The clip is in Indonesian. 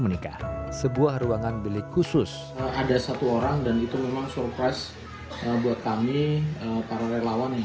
menikah sebuah ruangan bilik khusus ada satu orang dan itu memang surprise buat kami para relawan yang